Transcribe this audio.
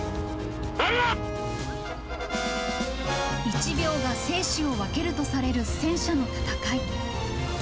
１秒が生死を分けるとされる戦車の戦い。